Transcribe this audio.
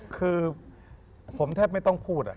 คือผมแทบไม่ต้องพูด